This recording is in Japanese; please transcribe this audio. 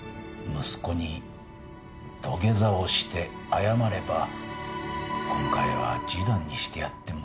息子に土下座をして謝れば今回は示談にしてやってもいい。